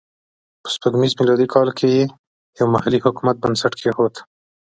په سپوږمیز میلادي کال کې یې یو محلي حکومت بنسټ کېښود.